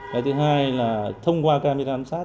cái thứ hai là thông qua camera giám sát